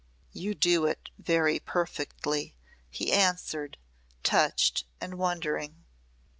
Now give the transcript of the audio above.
"You do it very perfectly," he answered, touched and wondering.